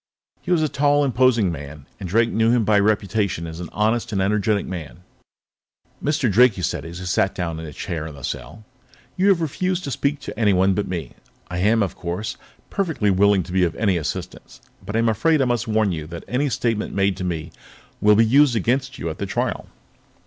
He was a tall, imposing man, and Drake knew him by reputation as an honest, energetic man. "Mr. Drake," he said as he sat down in a chair in the cell, "you have refused to speak to anyone but me. I am, of course, perfectly willing to be of any assistance, but I am afraid I must warn you that any statement made to me will be used against you at the trial."